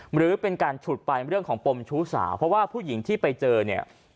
หรือเป็นการฉุดไปเรื่องของปมชู้สาวเพราะว่าผู้หญิงที่ไปเจอเนี่ย